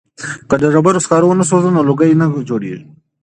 که ډبرو سکاره ونه سوځوو نو لوګی نه جوړیږي.